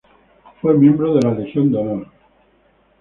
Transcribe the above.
Fue miembro de la Legión de Honor.